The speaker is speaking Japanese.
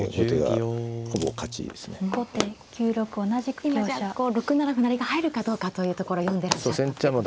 今じゃあ６七歩成が入るかどうかというところを読んでらっしゃった。